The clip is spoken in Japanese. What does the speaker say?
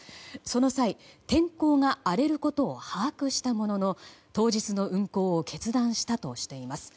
その際、天候が荒れることを把握したものの当日の運航を決断したとしています。